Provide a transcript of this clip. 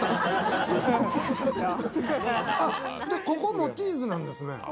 ここもチーズなんですね。